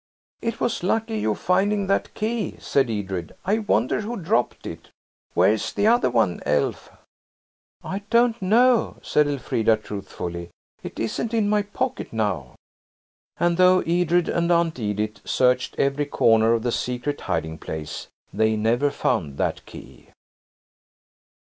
"It was lucky, you finding that key," said Edred. "I wonder who dropped it. Where's the other one, Elf?" "I don't know," said Elfrida truthfully, "it isn't in my pocket now." And though Edred and Aunt Edith searched every corner of the secret hiding place they never found that key.